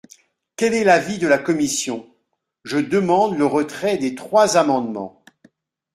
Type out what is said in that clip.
Quel est l’avis de la commission ? Je demande le retrait des trois amendements.